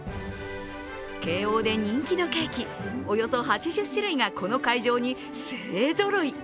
京王で人気のケーキ、およそ８０種類がこの会場に勢ぞろい。